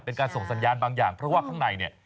เป็นการส่งสัญญาณบางอย่างเพราะว่าข้างในเนี่ย